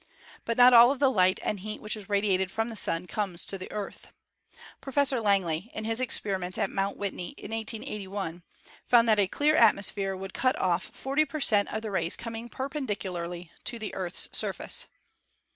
But not all of the light and heat which is radiated from the Sun comes to the Earth. Professor Langley, in his experiments at Mt. Whitney in 1881, found that a clear atmosphere would cut off 40 per cent, of the rays coming perpendicularly to the Earth's surface.